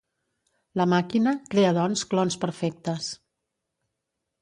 La màquina crea doncs clons perfectes.